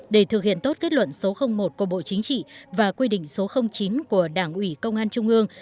để thực hiện tốt kết luận số một của bộ chính trị và quy định số chín của đảng ủy công an trung ương